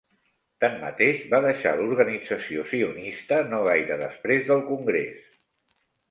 Tanmateix, va deixar l'Organització Sionista no gaire després del Congrés.